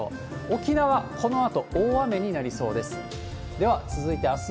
沖縄、このあと大雨になりそうです。